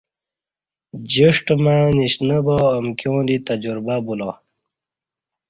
جݜٹ مع نیشنہ با امکیاں دی تجربہ بولا